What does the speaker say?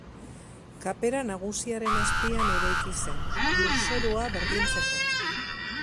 Kapera nagusiaren azpian eraiki zen, lurzorua berdintzeko.